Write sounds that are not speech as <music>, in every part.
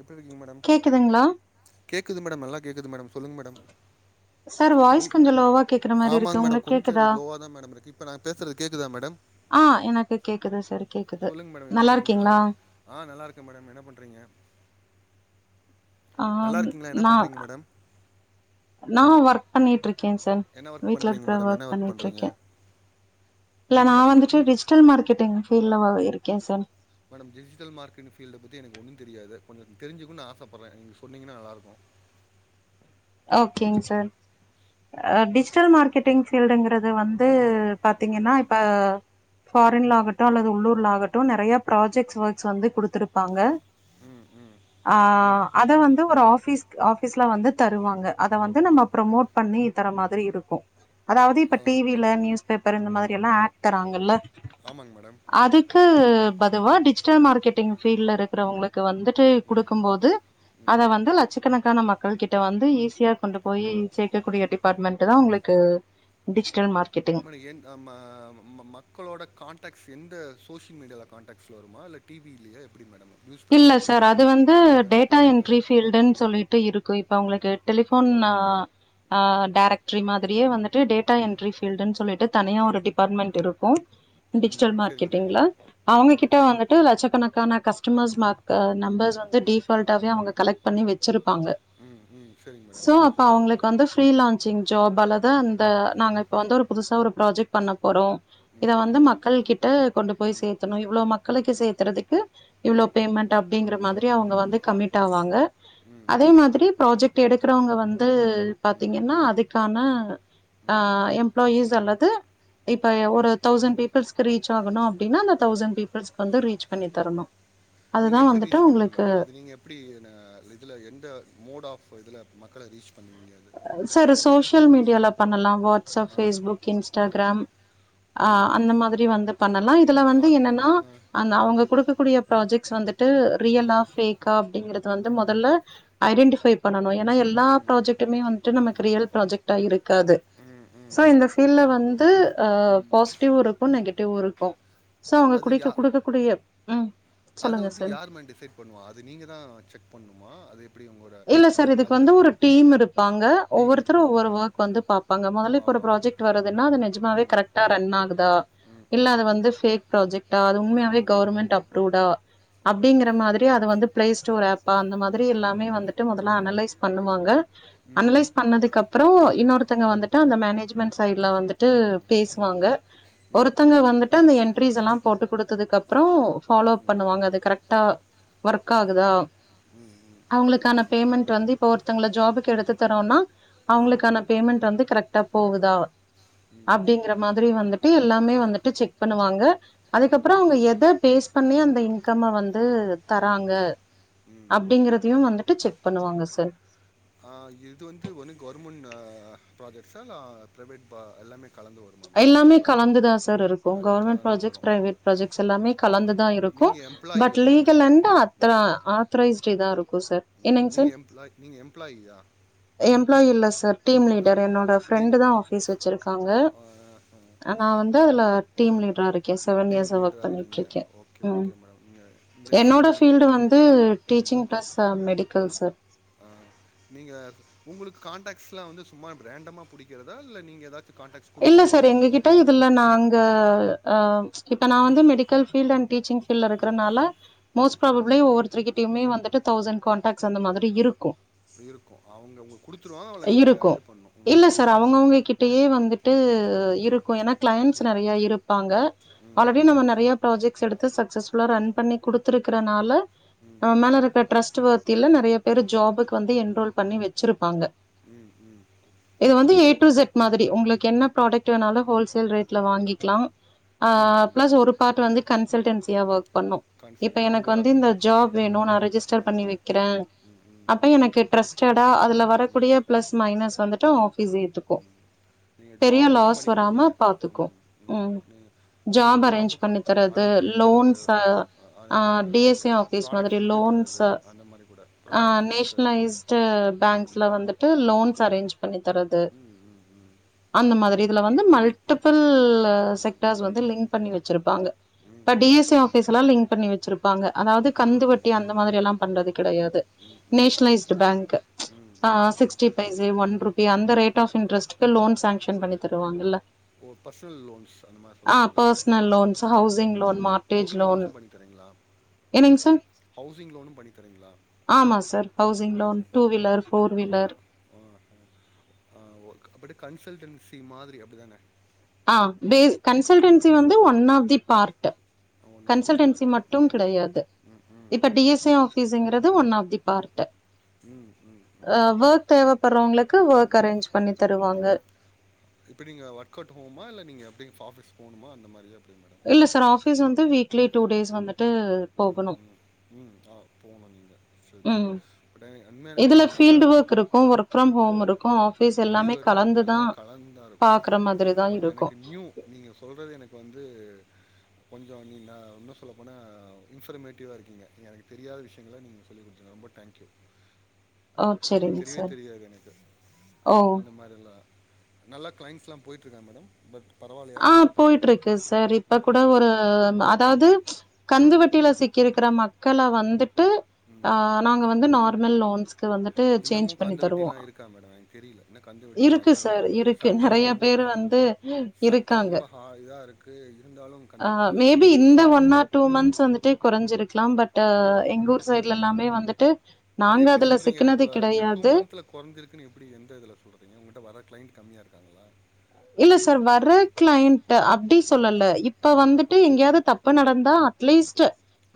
எப்டி இருக்கீங்க மேடம் கேக்குதுங்களா கேக்குது மேடம் நல்லா கேக்குது மேடம் சொல்லுங்கள் மேடம் சார் வாய்ஸ் உங் கொஞ்சோ லோவா கேக்குற மாரி இருக்கு ஆமாங்க மேடம் உங்களுக்கு கொஞ்சம் இது கேக்குதா லோவாக தான் மேடம் இருக்குது இப்போ நான் பேசுகிறது கேட்குதா ஆஹ் எனக்கு கேக்குது சார் கேக்குது சொல்லுங்க மேடம் எப்டி இருக்கீங்க நல்லா இருக்கீங்களா ஆஹ் நல்லா இருக்கே மேடம் என்ன பண்றீங்க ஆஹ் நா பண்ணுறீங்க மேடம் நா வொர்க் பண்ணிட்டுருக் கேன் சார் என்ன ஒர்க் வீட்டுல பண்ணுறீங்க இருக்கற மேடம் ஒர்க் என்ன பண்ணிட்டு பண்ணுறீங்க இருக்கே இல்ல என்னங்க நா மேடம் வந்துட்டு டிஜிட்டல் மார்கெட்டிங் ஃபீல் இல்லவா இருக்கேன் sir madam digital marketing field பத்தி எனக்கு ஒன்னும் தெரியாது கொஞ்சோ தெரிஞ்சுக்கோன்னு ஆசப்பட்றே நீங்க சொன்னீங்கன்னா நல்லாருக்கோ ஓகேங் சார் ஆ டிஜிட்டல் மார்க்கெட்டிங் ஃபீல்டுங்கறது அது வந்து ம் ம் பாத்தீங்கன்னா இப்ப பாரின்ல ஆகட்டும் அல்லது உள்ளூர் ஆகட்டும் நெறய ப்ராஜெக்ட்ஸ் ஒர்க்ஸ் வந்து குடுத்திருப்பாங்க ம் ம் ம் ஆஹ் அத வந்து ஒரு ஆபீஸ் ஆஃபீஸ்ல வந்து தருவாங்க அத வந்து நம்ம ம் ப்ரமோட் பண்ணி தர மாதிரி இருக்கோ அதாவது இப்ப ஆ டி வி ல நியூஸ் பேப்பர் இந் மாரி எல்லா ஆட்தராங்கல்ல ஆமாங்க மேடம் அதுக்கு பதுவா டிஜிட்டல் மார்க்கெட்டிங் ஃபீல்டுல இருக்கறவங்களுக் க் வந்துட்டு குடுக்கும் போது ம் அத வந்து லட்சக்கணக்கான மக்க கல்கெட் அத் வந்து ஈஸியா கொண்டு போய் சேர்க்கக்கூடிய டிபார்ட்மெண்ட் தான் உங்களுக்கு டிஜிட்டல் மார்க ளோட ஏன் ஆம் மா ம மக்களோட கான்டாக்ட் எந்த சோஷியல் மீடியாவுல கான்டாக்ட்ஸில் வருமா இல்ல டிவிலேயே எப்படி மேடம் நியூஸ் இல்ல பேப்பர்ஸ்லையா சார் அது வந்து ஆ டேட்டா ஆ என்ட்ரி ஃபீல்டுன்னு சொல்லிட்டு இருக்கு இப்ப அவுங்களுக்கு டெலிஃபோன் ஆஹ் ஆ ம் டேரக்ட்ரி மாதிரியே வந்துட்டு டேட்டா ம் என்ட்ரி ஃபீல்டுன்னு சொல்லிட்டு தனியா ஒரு டிபார்ட்மெண்ட் இருக்கும் ம் டிஜிட்டல் சரிங்க மேடம் மார்க்கெட்டிங்ல ம் அவங்ககிட்ட வந்துட்டு லட்சக்கணக்கான சும்மா ஸமாக் ஆஹ் நம்பர்ஸ் வந்து டிபால்ட்டாவே அவங்க கலெக்ட் பண்ணி வச்சுருப் பாங்க ம் ம் சரிங்க மேடம் சோ அப்ப அவங்களுக்கு வந்து ஃப்ரீலான்சிங் ஜாப்பாலதா இந்த நாங்க இப்போ வந்து ஒரு புதுச ஒரு ப்ராஜெக்ட் பண்ண போறோ இத ம் வந்து ம் மக்கள் கிட்ட கொண்டு போய் ம் சேத்தணு இவ்ளோ மக்களுக்கு சேத்தறதுக்கு ம் இவ்ளோ ம் பேமெண்ட் அப்டிங்கற மாதிரி அவங்க ம் வந்து கமிட் ஆவாங்க அதே ம் மாதிரி ப்ராஜெக்ட் எடு க்கிறவங்க வந்து து ம் பாத்தீங்கன்னா அதுக்கான அ ம் எம்ப்ளோயிஸல்ல து இப்ப ம் ஒரு தௌசண்ட் பீப்புள்ஸ்கு ரீச் சாகனு அப்டின்னா அந்த தௌசண்ட் பீப்புள்ஸ்க்கு வந்து ரீச் ப பண்ணி தரணு நீங்க அதுதா எப்படி வந்துட்டு ரீச் பண்ணீங்க உங்களுக்கு மேடம் அது நீங்க எப்டி இதுல எந்த மோட் ஆப் இதுல மக்கள ரீச் பண்ணுவீங்க அது சர் சோஷியல் மீடியால பண்ணலா வாட்ஸப் ஆ பேஸ்புக் ஆ இன்ஸ்டாகிராம் அ ம் அந்த மாதிரி வந்து பண்ணலா இதுல வந்து ஆ என்னன்னா ஆ அந்த அவங்க குடுக்கக்கூடிய ப்ராஜெக்ட் ஸ் வந்துட்டு ரியலா ஃபேக்கா அப்டிங்கிறது வந்து மொதல்ல ஐடென்டிஃபை பன்னனு ஏன்னா எல்லா ப்ராஜெக்ட் ட்டுமே வந்துட்டு நமக்கு ரியல் ப்ராஜெக்டாஇருக்காது ம் ம் சோ இந்த ம் பீல்ல வந்து அ ம் பாசிட்டிவ் இருக்கும் நெகடிவ் இருக்கும் கு சோ அவுங்க அது குடிக்க யா குடுக்க கூடிய உஹ்ம் அத வந்து யாரு மே டிசைட் பண்ணுவா அது நீங்க தா செக் பண்ணுமா அது எப்படி உங்களோட இல்ல சார் இதுக்கு அது வந்து ஒரு டீம் இருப்பாங்க டீம் ஒவ்வொருத்தரும் இருக்காங்க. ஒவ்வொரு அ ஒர்க் வந்து பாப்பாங்க மொதல்ல இப்ப ஒரு பார்ப்பாங்க. ப்ராஜெக்ட் வருறதுன்னா அது நெஜமாவே கரெக்ட்டா ரன் ஆகுதா ம், இல்ல ம், அது ம். வந்து ஃபேக் ப்ராஜெக்ட்டா அது உண்மையாவே ம், கவுர்மண்ட் ம். அப்ரூவ்டா அ. அப்டிங்கிற மாதிரி அது வந்து பிளே ஸ்டோர் ஆப்பா அந்த மாதிரி எல்லாமே வந்து டு மொதல்ல அனலைஸ் பண்ணுவாங்க ம், அனலைஸ் பண்ணதுக்கப்றோ ம், ம், இன்னொருத்தங்க வந்துட்டு அந்த மேனேஜ் மண்ட் சைட் ல வந்துட்டு ம். ம், ம், பேசுவாங்க ம், ம், ஒருத்தங்க ம், வந்துட்டு அந்த என்ட்ரிஸல்லா போட்டு குடுத்ததுக்கப்றோ ஃபாலோப் ம், பண்ணுவாங்க அது கரக்டா ஒர்க் ஆகுதா அவுங்களுக்கான மண்ட் வந்து இப்ப ஒருத்தங்கள ஜாபுக்கு எடுத்து தரோனா ம், ம், அவுங்களுக்கான ம், பேமெண்ட் வந்து கரெக்ட் ட்டா போகுதா ம். அப்டிங்கற மாதிரி வந்துட் டு எல்லாமே வந்துட்டு செக் பண்ணுவாங்க ஆம். அதுக்கப்புறம் அவுங்க எத பேஸ் பண்ணி அந்த இன்கம வந் து ம், தராங்க ம், ம். அப்டிங்கறதையும் வந்துட்டு செக் பண்ணுவாங்க சார் ஆஹ் இது வந்து ஒன்னு கவர்மண்ட் ப்ராஜெக்ட்ஸா இல்ல பிரைவேட் பா எல்லாமே கலந்து வருமா மேடம் உங்க எல்லாமே ப்ராஜெக்ட்? கலந்துதான் சார் இருக்கும் எல்லாம் கவர்மண்ட் கலந்து ப்ராஜெக்ட்ஸ் வரும். பைவேட் ப்ராஜெக்ட்ஸ் எல்லாமே கலந்துதா இருக்கும் நீங்க எம்ப்ளாயி பட் அப்படிதானே? லீகல் அண்ட் அத் ம், ஆத்தரைஸ்ட் இதான் இருக் கு சார் ம். என்னங் நீங்க சார் எம்ப்ளாய் நீங்க எம்ப்ளாயியா? எம்ப்ளாயி இல்ல சார் டீம் லீடர் என்னோட டீம் ஃப்ரெண்டு தான் ஆபீஸ் வச்சிருக்காங்க நான் வந்து அதுல டீம் லீடரா இருக்கேன் செவன் டீம் இயர்ஸா ஒர்க் லீடராக பண்ணிட்டு இருக்கீங்க இருக்கேன் ஓகே ம் ஓகே மேடம் நீங்கள் இந்த என்னோட எனக்கு ஃபீல்டு வந்து டீச்சிங் ப்ளஸு மெடிக்கல் சார் ஆ நீங்க உங்களுக்கு கான்டாக்ஸ் எல்லாம் வந்து சும்மா பிரேண்டமா புடிக்கிறதா இல்ல நீங்க ஏதாவ இல்ல சார் எங்ககிட்ட இதுல நான் அங்க ஆஹ் இப்ப நான் வந் மெடிக்கல் ஃபீல்டு அண்டு டீச்சிங் ட்ல ம் இருக்கிறனால மோஸ்ட் ப்ராபப்ளி ஒவ்வொருத்தருக் டுயுமே வந்துட்டு தௌசண்ட் கான்டாக்ட்ஸ் அந்த மாதிரி இருக்கும் இருக்கும் அவுங்க உங்களுக் குடுத்துருவாங்க அவுங்கள நீங்க இருக்கு இது பண்ணணும் உம் உம் து இருக்கும் ஏன்னா கிளைண்ட்ஸ் நெறைய இருப்பாங்க ம் ஆல்ரெடி ம் நம்ம நெறைய ப்ராஜெக்ட்ஸ் எடுத்து சக்ஸஸ்ஃபுல்லா ரன் பண்ணி குடுத்துருக்கறனால ம் ஆ மேல இருக்க ட்ரஸ்ட் வந் ஃபீல்ட்ல நெறைய பேரு ஜாபுக்கு வந்து என்ரோல் பண்ணி வச்சிருப்பாங்க உம் உம் டூ செட் மாதிரி உங்ளுக் கென்ன ப்ராடக்ட் வேணாலு ஹோல்சேல் ரேட்ல வாங்கிக்லா ம் ஆஹ் ம் பிளஸ் ஒரு பாட்டு வந்து கன் செல்டென்சியா வொக் பண்ணு இப்ப கன்சல்ட்டு எனக்கு நீங்கள் வந்து தான் இந்த ம் ஜாப் வேணு நா ரெஜிஸ்டர் பண்ணி வெக்கிறே ம் ம் அப்ப ம் எனக்கு ட்ரஸ்டேடா அதுல வரக்கூடிய பிளஸ் மைனஸ் வந்துட்டு ஃபீஸ ஏத்துக்கோ நீங்க ஜாபுக்கும் பண்ணி குடுப்பீங்க ம் ம் ம் அ நீங்க ஜாப் அரேஞ்ச் ஜாபுக்கு பண்ணி தரது அரேஞ்ச் பண்ணி தரது லோன்ஸ் அரே ஆ டி பண்றது எஸ் ஏ ஆஃபீஸ் ப்ராடக்ட்ஸ் மாதிரி வித்து லோன்ஸ் தர்றது ஆ அந்த மாரி கூட ஆ ப்ராடக்ட்ஸ் வித்து தர்றது நேஷ்னலைஸ்டு ம் பேங்க்ஸ்ல ம் டு ம் ம் ம் அந்த மாதிரி இதுல வந்து மல்டிபிள் ல ம் ம் செக்டார்ஸ் வந்து லிங் பண்ணி வெச்சிருப்பாங்க ம் ம் ம் ம் ம் இப்ப டி ம் எஸ் ஏ ஆஃபிஸ் ம் எல்லா லிங் பண்ணி வெச்சிருப் பாங்க அதாவ்து கந்துவட்டி அந்த மாதிரி எல்லாம் பண்றது கெடையாது நேஷ்னலைஸ்டு பேங்க் ம் ம் ஆ ம் ம் சிக்ஸ்டி பைசே ஒன்ருபி அந்த ரேட் ஆஃப் இன்ட்ரஸ்ட்க்கு லோன் சேங்ஷன் பண்ணி தருவாங்கல்ல ஓ பர்சனல் லோன்ஸ் அந்த மாதிரி ஆ சொல்கிறீங்களா personal loans housing loan mortgage housing loan லோன்ஸும் பண்ணி தரீங்களா என்னுங் சார் ஹவுசிங் லோனும் பண்ணி தரீங்களா ஆமா sir housing loan two wheeler four வீ அ அ ஒக் அப்படி கன்சல்டன்சி மாதிரி அப்டி தானே ஆ பேஸ் கன்சல்டன்சி வந்து one of the part one of the consultancy part மட்டும் கிடையாது ம், ம், இப்ப டி ம். எஸ் ஏ ஆஃபிஸ்ங்கிறது ஒன் ஆஃப் தி பார்ட்டு ம், ம், அ ம், வொக் தேவப்பட்றவங்களுக்கு ம், வொக் ம். அரேஞ்ச் பண்ணி தருவாங்க மா இல்ல நீங்க அப்டி ஆஃபிஸ் போணுமா அந்த மாரி எப்டி இல்ல சார் ஆஃபீஸ் வந்து வீக்லி டூ டேஸ் வந்துட் ட்டு ம், போகணு செரி செரி ம் பட் <unintelligible> இதுல நீங்க நல்ல ஃபீல்டு ஒர்க் இருக்கு ஒர்க் ஃப்ரம் ஓ ஹோம் இருக்கு ஆபீஸ் எல்லாமே ஃபீல்டு ஒர்க் இருக்கு கலந்துதா எல்லாமே கலந்தா இருக்கு பாக்குற மாதிரிதா பட் இருக்கு எனக்கு நியூ நீங்க சொல்றது எனக்கு வந்து கொஞ்சோ நீ நா இன்னு சொல்ல போனா இன்ஃபர்மேட்டிவா இருக்கீங்க எனக்கு தெரியாத விஷ்யங்கள நீங்க சொல்லி <inaudible> ரொம்ப டேங்க்யூ ஓ இது சரிங்க தெரிவே சார் தெரியாது எனக்கு ஓ இந்த மாரில்லா நல்லா கிளைண்ட்ஸ்ல்லா போயிட்ருக்கா மேடம் பட் பரவாயில்லையா ஆ போய்ட்டு இருக்கு சார் இப்ப ம் கூட ம் ஒரு அம் அதாவ்து ம் ம் கந்துவட்டியில சிக்கிருக்கிற மக் க்கல வந்துட் டு ஆ ம் நாங்க வந்து நா நல்லோன்ஸ் க்கு வந்துட்டு சேஞ்ச் இன்னமும் பண்ணி கந்து தருவோ வெட்டிலாம் இருக்கா மேடம் எனக்கு தெரியல இன்னும் கந்து வெட்டி இருக்கு அதெல்லாம் சார் இருக்கு சட்டம் நெறையா ரொம்ப பேரு க வந்து சட்டம் இருக்காங்க ரொம்ப ஹா இதாக இருக்குது இருந்தாலும் ஆ கந்து வெட்டிலாம் இருக்கா மேபி இந்த ஒன் ஆர் டூ மந்த்ஸ் வந்துட்டு குறைஞ்சிருக் ஓ வந்துட்டு அது நாங்க எப்படி அதுல சொல்றீங்க சிக்குனது இந்த டூ கிடையாது மந்த்ல குறைஞ்சிருக்குன்னு எப்படி எந்த இதல சொல்றீங்க உங்கட்ட வர கிளைண்ட் கம்மியா இருக்காங்களா இல்ல சார் வர கிளைண்ட் அப்படி சொல்லல ஆ, இப்ப வந்துட்டு எங்கியாவது தப்பு நடந் அ அட்லீஸ்ட்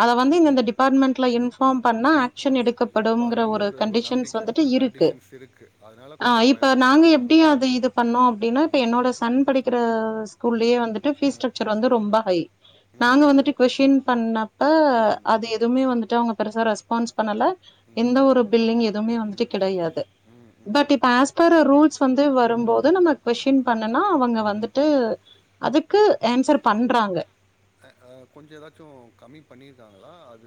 அத வந்து இந்த இந்த டிபார்ட்மெண்ட்ல இன்பார்ம் பண்ண ஆக் சன் எடுக்கப்படும் எடுப்பாங்கன்னு ஒரு கண்டிஷன்ஸ் நம்பிக்கை வந்துட்டு இருக்கு கண்டிஷன்ஸ் இருக்குது அதனால ஆ கொஞ்சம் இப்ப பயப்படுறாங்க நாங்க ஆ எப்படி அத இது பண்ணோம் அப்படின்னா என்னோட சன் படிக்கிற ஸ்கூல்லயே வந்துட்டு பீ ஆ ஸ்டக்சர் வந்து ரொம்ப ஹை ம் நாங்க ம் வந்துட்டு கொஸ்டின் பண்ணப்ப ம் அது ம் எதுவுமே வந்துட்டு அவங்க பெருசா ரெஸ் பான்ஸ் பண்ல ம் எந்த ம் ஒரு பில்டிங் எதுவுமே வந்துட்டு கிடையாது ம் ம் ஃபட் இப்ப ஆஸ்பார் ரூல்ஸ் வந்து வரும்போது ம் நம்ம கொஸ்டின் பண்ணனா அவங்க ம் வந்துட்டு அதுக்கு ஆன்சர் பண்றாங்க அ அ கொஞ்சோ ஏதாச்சு கம்மி பண்ணிர்காங்களா அது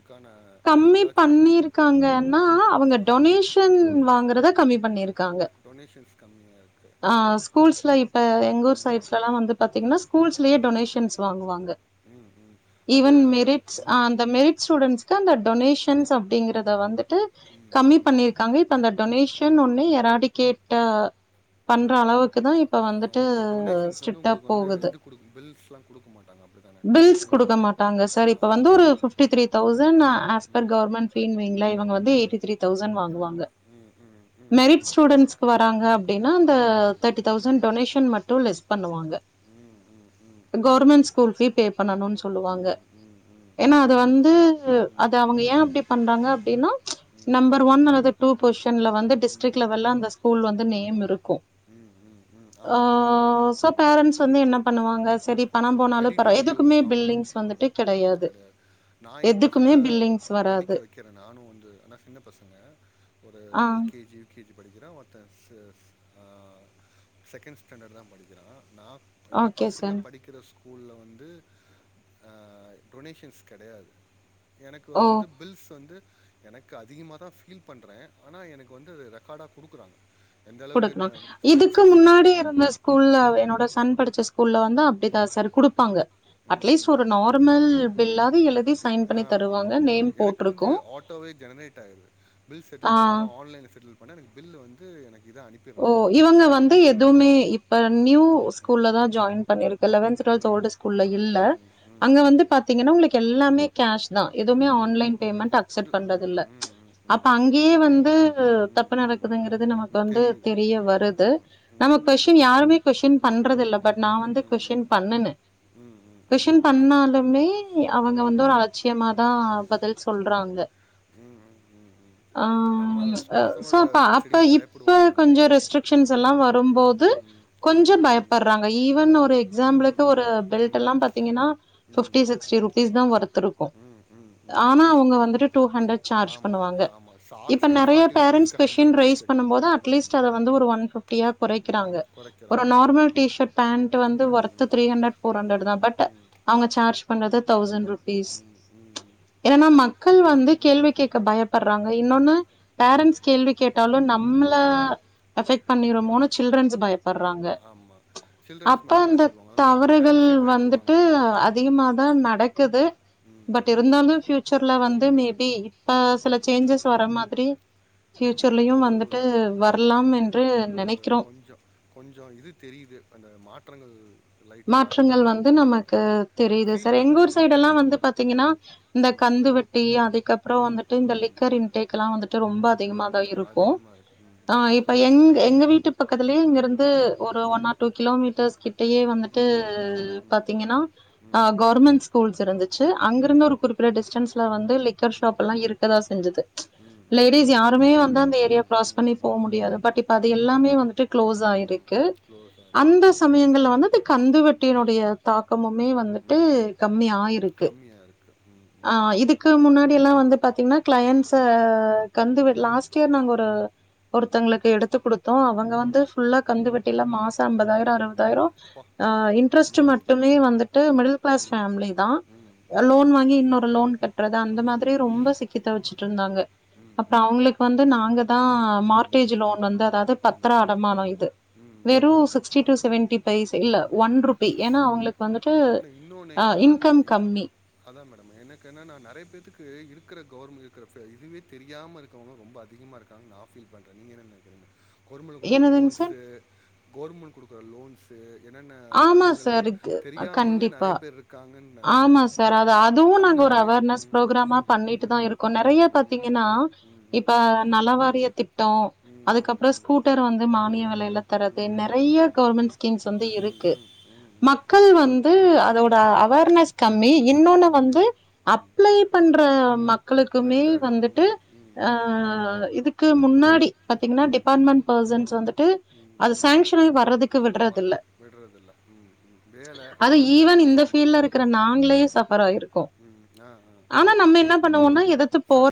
கம்மி பண்ணிருக்காங்கன்னா அவங்க அ டொனேஷன் வாங்கறத கம்மி பண்ணிருக் காங்க டொனேஷன்ஸ் கம்மியாக இருக்குது ஆ ஸ்கூல்ஸ்ல இப்ப எங்கூர் ம் சைட்ஸ்லலா வந்து பாத்தீங்கனா ம் ஸ்கூல்ஸ்லயே ம் டொனேசன்ஸ் வாங்குவாங்க ம் ம் அது ஈவன் அ, மெரிட்ஸ் அ, அந்த மெரிட் ஸ்டூடண்ட்ஸ் டொனேஷன்ஸ் அப்டிங்கறத வந்து டு கம்மி ம் பண்ணிருக்காங்க இப்ப அந்த டொனேஷ் ஒன்னே யாராடி கேட்ட பண்ற அளவுக்கு தா இப் ஆ இப்போ டொனேஷன்ஸ் வந்து உங்களுக்கு வந்து இது குடுக்கும் பில்ஸ்லா குடுக்க மாட்டாங்க அப்டி தான பில்ஸ் டொனேஷன்ஸ் குடுக்க ஆஹ் ம் ந அஸ் பெர் கவ்ர்மெண்ட் பீன் வைங்கள ம் இவங்க வந்து ம் எய்ட்டி த்ரீ தவ்சண் வாங்குவாங்க ம் ம் ம் ம் ம் ம் ம் ம் ம் ம் மெரிட் ஸ்டூடன்ஸ்கு வராங்க அப்டின்னா இந்த தர்ட்டி தௌவ்சண் டொனே டூ லெஸ் பண்ணுவாங்க ம் ம் ம் கவர்மெண் ஸ்கூல் பீ பே பண்ணணுன் சொல்லுவாங்க ஏனா அது வந்து து அத அவங்க ஏ அப்டி பண்றாங்க அப்டின்னா நம்பர் ஒன் அல்லது டூ போஸன்ல வந்து ம் டிஸ்ரிக் லெவல்ல அந்த ஸ்கூல் ம் வந்நு ம் ம் நேம் இருக்கு ம் ம் ம் ஆமாம் அதனால ஆஹ் பண்ணுறது சோ ம் பேரண்ஸ் வந்து என்ன பண்ணுவாங்க ம் ம் சேரி பணம் போனாலு ரெடி டு பரவா கிவ் எதுக்குமே அவங்களும் பில்லிங்ஸ் வந்துட்டு கெடையாது எதுக்குமே பசங்கள பில்லிங்ஸ் படிக்க வராது வைக்கிற நானு வந்து ஆனா சின்ன பசங்க ஒரு ஆ எல் யூகேஜி படிக்கிறா ஒருத்தி ச ஸ் ஆ செகண்ட் ஸ்டண்டர்ட் தா படிக்கிறா நா எங்க ஓகே பசங்க சார் படிக்கிற ஸ் ஸ்கூல்ல வந்து அ டொனேஷன்ஸ் கெடையாது எனக்கு ஓ வந்து பில்ஸ் வந்து எனக்கு அதிகமா தா ஃபீல் பண்ற ஆனா எனக் வந்து ரெக்காடா குடுக்குறாங்க குடுக்ரா இதுக்கு முன்னாடி இருந்த ஸ்கூல்ல என்னோட சன் படிச்ச ஸ்கூல்ல வந்து டேட்டா ம் சர் குடுப்பாங்க ம் அட்லீஸ்ட் ம் ஒரு நார்மல் பில்லா ம். எழுதி சைன் ஆ பண்ணி ஆமா. தருவாங்க ஆ நேம் எனக்கு வந்து போட்ருக்கு ஆட்டோவே ஜெனரேட் ஆயிருது. பில் ஆ செட்டில் பண்ணேன்னா, ஆன்லைன்ல செட்டில் பண்ண எனக்கு பில் வந்து எனக் ஓ இவங்க வந்து எதுமே இப்ப ம். நியூ ம். ஸ்கூல்லதா ஜாய்ன் பண்ணிருக் இப்ப லெவன்த் ம். டுவெல்த் ம். ஓல்டு ஸ்கூல்ல ம். இல்ல ம். ம். அங்க வந்து ம். பாத்திங்கனா உங்களுக்கு எல்லாமே கேஷ் தா எதுமே ம். ஆன்லைன் பேமெண்ட் அக்சட் இல் பண்றது ம். இல்ல ம். ம். அப்ப ம். அங்கயே வந்து ம். ம். தப்பு ம். நடக்குதுங்குறது நமக்கு ம். வந்து தெரியுது. தெரிய வருது ஆ, நம்ம ம். கொஸின் யாருமே கொஸின் ம். ம். பண்றதில்ல பட் நா வந்து ம். ம். கொஷின் பண்ணுன ம். ம். கொஷின் ம். பண்ணாலுமே அவங்க வந்து ஒரு அலட்சியமாதா பதில் சொல்றாங்க ம் ம் ம் ம் ஆ நம்ம பசங்களோட ஸ்டடிக்கு பயப்படுவோ நம்ம ம். ரெஸ்ட்ரிக்க்ஷன் எல்லா ம். வரும்போது ம். கொஞ்ச ம். பயப்படறாங்க ஈவன் அதான். ஒரு எக்ஸாம்புளுக்கு ம். ஒரு ம். பெல்ட் எல்லா பாத்திங்கனா ம், ஃபிஃப்ட்டி சிக்ஸ்ட்டி ருபீஸ்தா ஒர்த் இருக்கு ம், ம், ம், ஆனா ம். அவங்க வந்துட்டு டூ ஹண் ஆமா ஆ ஆமா சாக்ஸ்க்கே நெறைய ஃபாட்டி பேரண்ட்ஸ் ருபீஸ்கு ஹண்ட்ரட் கொஷின் ருபீஸ் ரைஸ் கேக்கறாங்க பண்ணும் போது மேடம் ம், அட்லீஸ்ட் அத ம், வந்து ஒரு ஒன் ஃபிஃப்ட்டியா ம். கொறைக்கிறாங்க ஒரு குறைக்கிறாங்க. நார்மல் ம், டீ ஷர்ட் பேண்ட் வந்து ஒர்த்து ம், த்ரி ஹண்ட்ரட் ஃபோர் ம், ம், ஹண்ட்ரட்தா பட் அவங்க சார்ஜ் பண்றது ம், தௌசண் ம், ருபீஸ் ம், ம். ஏனா மக்கள் வந்து கேள்வி கேக்க பயப்படறாங்க இன்னொன்னு பேரண்ட்ஸ் கேள்வி கேட்டாலு நம் அஃபெக்ட் பண்ணிருமோனு சில்ரன்ஸ் பயப்படறாங்க ஆமா. சில்ட்ரன்ஸ் அப்ப மேல அந்த காட்டிருவாங்கல்ல. நான் தவறுகள் பேரண்ட்ஸே வந்துட்டு பயப்படுவாங்கல்ல. அதிகமாதா நடக்குது ம், பட் இருந்தாலு பியூச்சர்ல வந்து ட்டு மே பி ப் ஆ சில ம், சேஞ்சஸ் வர மாதிரி ம். ஃபியூச்சர்லயு வந்து ட்டு வரலாம் என் று அது கொஞ்சம் கொஞ்சம் இது தெரியுது அந்த மாற் ற்றங்கள் மாற்றங்கள் வந்து நமக்கு தெரியுது ஃபீல் சார் பண்ண எங்க ஊர் முடியுது. சைடு எல்லாம் வந்து ம், பாத்தீங்கன்னா இந்த ம், கந்துவட்டி அதுக்கப்பறம் ம், வந்துட்டு இந்த ம், லிக்கர் ம். இன்டேக்லாம் வந்து ட்டு ரொம்ப அதிகமா தயிர் இருக்கும் அதிகமாக இருக்கு ம், ஆ இப்ப எங்க எங்க வீட்டு பக்கத்திலே இங்கிருந்து ம், ஒரு ஒன் ஆர் டூ கிலோமீட்டர்ஸ் கிட்டையே வந்து ட்டு ஆ ம், பாத்தீங்கன்னா ஆ ம், கவர்மெண்ட் ஸ்கூல்ஸ் இருந்துச்சு ம், ம், அங்கிருந்து ஒரு குறிப்பிட்ட டிஸ்டன்ஸ் ட்ல வந்து லிக்கர் ம், ம், ஷாப்பலாம் இருக்கதா செஞ்சுது ம், லேடிஸ் யாருமே வந்து அந்த ம், ஏரியா கிராஸ் ம், பண்ணி போ முடி யாது பட் இப்ப அது ம், எல்லாமே வந்துட்டு க்ளோஸ் ஆயிரு ம், க்கு க்ளோஸாக இருக்கு அந்த ம், சமயங்கள வந்து கந்து வட்டியினுடைய தாக் க்கமுமே வந்துட்டு ம், கம்மி ஆயிருக்கு கம்மியாக இருக்கு ம், ம், ஆஹ் இதுக்கு முன்னாடி எல்லாம் வந்து பாத்தீங்கா ம், கிளயன்ஸா கந்து வ ம், லாஸ்ட் இயர் நாங்க ஒரு ம், ஒருத்தங்களுக்கு எடுத்து குடுத்தோம் அவங்க ம், வந்து ம். ஃபுல்லா கந்துவட் இல்ல மாசம் அம்பதாயிரம் அறுவ தாயிரம் பா இன்ட்ரெஸ்ட் ரொம்ப அதிகம் மட்டுமே ம், வந்துட்டு ம், மிடில் கிளாஸ் ம், ம், ம், பேமிலிதா ம், ம், ம், ம், ம், லோன் வாங்கி இன்னும் லோன் கட்டுறது அந்த மாதிரி ரொம்ப சிக்கி தவிச்சுட்டு இருந்தாங்க அப்புறம் அவங்களுக்கு வந்து நாங்க தா தான் ம், மார்டேஜி லோன் வந்து அதாவது பத்தர அடமானம் இது ம், ம், வெறும் சிக்ஸ்ட்டி டு செவன்ட்டி பைசே இல்ல ம், ஒன் ருப்பி ஏன்னா அவங்களுக்கு வந்துட்டு ஆனா இன்னொன்னு ஆஹ் இன்கம் கம்மி ஏன்னா நிறைய பே்த்தக்கு இருக்கிற கவர்மெண்ட் இருக்கிற இதுவே தெரியாம இருக்கிறவங்க ரொம்ப அதிகமாக இருக்காங்கு நான் ஃபீல் பண்ணுறே நீ என்னு நான் தெரியுேன் குருமெண்ட் கொடுக்க என்னதுங்க லோன்ஸ் சார் கவர்மெண்ட் கொடுக்க ஒருலோன்ஸ் <unintelligible> ஆமா சார்க்கு கண்டிப்பா நெறைய பேர் இருக்காங்கன்னு ஆமா நெனைக்கிறேன். சார் அ அதுவும் நாங்க ஒரு அதனாலயே அவர்னஸ் ம், ப்ரோக்ராமா ம், பண்ணிட்டுதா ம், இருக்கோம் ம், நிறைய ம், பாத்தீங்கன்னா ம், ம், ம், இப்ப நலவாரிய திட்டம் ம், ம், அதுக்கப்புறம் ஸ்கூட்டர் வந்து ம், ம், மானிய ம், விலையில ம், தரது ம், நிறைய கவர்மெண்ட் ஸ்கீம்ஸ் வந்து இருக்கு ம், மக்கள் வந்து அதோட அவர்னஸ் கம்மி இன்னொன்னு ம், ம், வந்து ம், ம். அப்ளை பண்ற மக்களுக்குமே மெத்தடு வந்துட்டு ம் ம் அ ம் இதுக்கு முன்னாடி பாத்தீங்கன்னா ம் டிபார்ட்மென்ட் பர்சன்ஸ் வந்துட்டு ம் அது ம் சாங்ஷன் ஆயி வர்றதுக்கு விடுறது வ இல்ல விடுறதில்ல ம் ம் வேலை அது அவங்களுக்கு ஈவன் வேலைன்னா இந்த செய்ய பபீல்ட்ல இருக்கிற மாட்டேன்றாங்க நாங்களே சஃபர் ம் ம் ஆயிருக்கோம் ம் ஆ ஆ ஆனா ஆ நம்ம என்ன பண்ணுவோம்னா எதுத்து போடற சட்